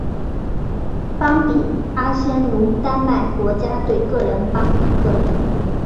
邦比阿仙奴丹麦国家队个人邦比个人